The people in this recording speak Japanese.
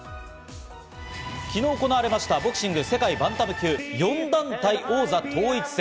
昨日行われたボクシング世界バンタム級４団体王座統一戦。